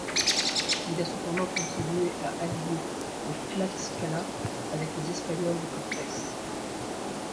Il a cependant contribué à allier le Tlaxcala avec les Espagnols de Cortés.